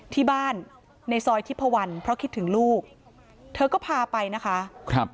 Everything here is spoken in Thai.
ที่บ้านในซอยทิพพวันเพราะคิดถึงลูกเธอก็พาไปนะคะครับ